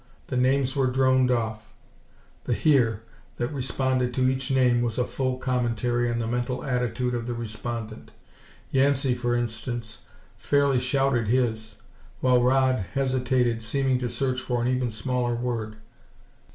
The names were droned off. The "Here!" that responded to each name was a full commentary on the mental attitude of the respondent. Yancey, for instance, fairly shouted his, while Rodd hesitated, seeming to search for an even smaller word.